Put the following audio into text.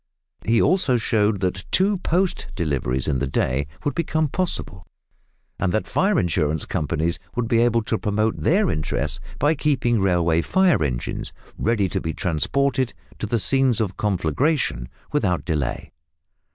He also showed that two post deliveries in the day would become possible, and that fire insurance companies would be able to promote their interests by keeping railway fire engines, ready to be transported to scenes of conflagration without delay.